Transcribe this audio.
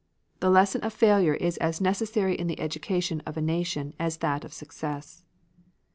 The lesson of failure is as necessary in the education of a nation as that of success.